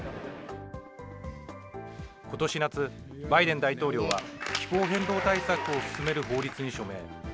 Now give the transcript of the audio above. ことし夏、バイデン大統領は気候変動対策を進める法律に署名。